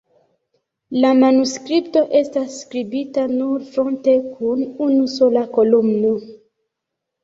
La manuskripto estas skribita nur fronte kun unusola kolumno.